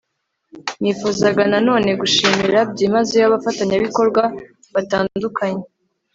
nifuzaga na none gushimira byimazeyo abafatanyabikorwa batandukanye